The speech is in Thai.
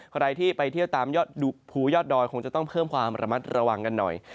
ใครที่ไปเที่ยวตามยอดภูยอดดอยคงจะต้องเพิ่มความระมัดระวังกันหน่อย